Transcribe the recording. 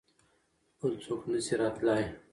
بل څوک نه شي راتلای.